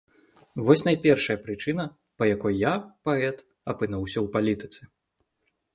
Вось найпершая прычына, па якой я, паэт, апынуўся ў палітыцы.